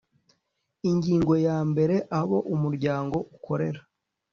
ingingo ya mbere abo umuryango ukorera